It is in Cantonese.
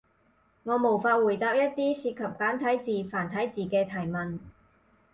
我無法回答一啲涉及簡體字、繁體字嘅提問